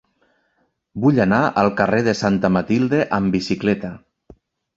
Vull anar al carrer de Santa Matilde amb bicicleta.